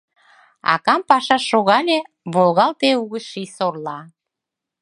Акам пашаш шогале — Волгалте угыч ший сорла.